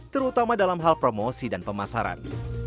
terutama dalam hal promosi dan pemasaran